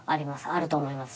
あると思います。